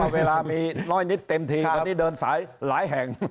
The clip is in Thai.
เวลามีน้อยนิดเต็มทีวันนี้เดินสายหลายแห่ง